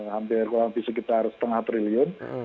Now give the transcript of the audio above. hampir kurang lebih sekitar setengah triliun